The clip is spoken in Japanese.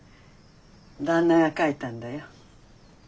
旦那が描いたんだよ。